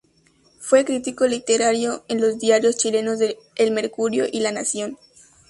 Fue crítico literario en los diarios chilenos El Mercurio y La Nación.